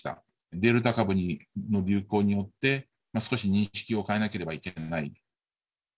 デルタ株の流行によって、少し認識を変えなければいけない。